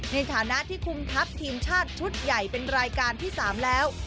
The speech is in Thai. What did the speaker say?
ในฐานะที่คุมทัพทีมชาติชุดใหญ่เป็นรายการที่๓แล้ว